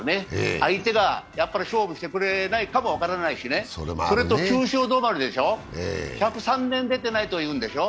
相手が勝負してくれないかも分からないしね、それと９勝止まりでしょう、１０３年出てないというんでしょう。